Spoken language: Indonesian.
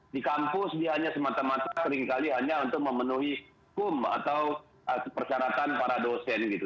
di kampus dia hanya semata mata seringkali hanya untuk memenuhi hukum atau persyaratan para dosen gitu